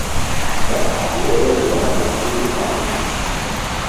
سف آمین رے دُعا نیݰی نیسائے